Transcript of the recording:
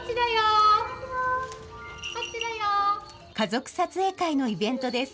家族撮影会のイベントです。